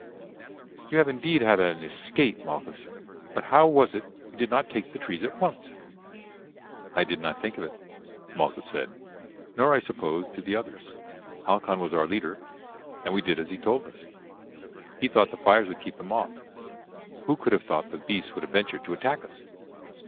"You have indeed had an escape, Malchus; but how was it you did not take to the trees at once?" "I did not think of it," Malchus said, "nor, I suppose, did the others. Halcon was our leader, and we did as he told us. He thought the fires would keep them off. Who could have thought the beasts would have ventured to attack us!"